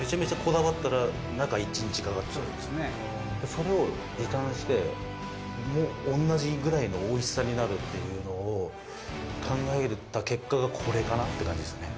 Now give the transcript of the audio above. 「それを時短しても同じぐらいのおいしさになるっていうのを考えた結果がこれかなって感じですね」